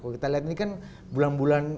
kalau kita lihat ini kan bulan bulan